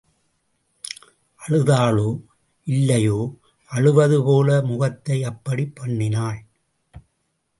அழுதாளோ இல்லையோ, அழுவதுபோல் முகத்தை அப்படி பண்ணினாள்.